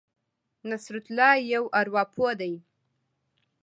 نصرت الله یو ارواپوه دی.